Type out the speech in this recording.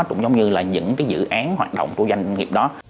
cũng giống như là những cái dự án hoạt động của doanh nghiệp đó